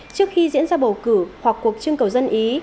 trước khi diễn ra bầu cử hoặc cuộc trưng cầu dân ý